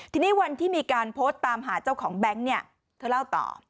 ทีนี้วันที่มีการโพสต์ตามหาเจ้าของแบงค์เนี่ยเธอเล่าต่อ